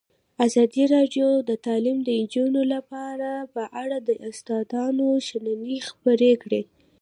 ازادي راډیو د تعلیمات د نجونو لپاره په اړه د استادانو شننې خپرې کړي.